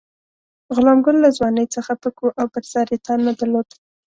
غلام ګل له ځوانۍ څخه پک وو او پر سر یې تار نه درلود.